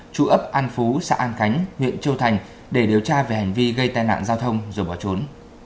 trụ ấp an phú xã an khánh huyện châu thành để điều tra về hành vi gây tai nạn giao thông rồi bỏ trốn